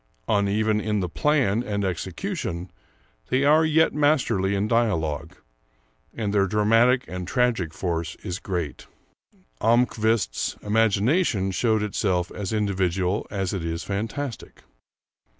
Uneven in the plan and execution, they are yet masterly in dialogue, and their dramatic and tragic force is great. Almquist's imagination showed itself as individual as it is fantastic.